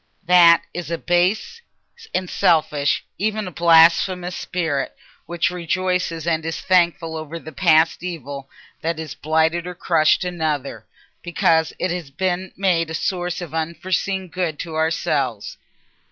That is a base and selfish, even a blasphemous, spirit which rejoices and is thankful over the past evil that has blighted or crushed another, because it has been made a source of unforeseen good to ourselves.